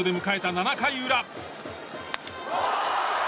７回裏。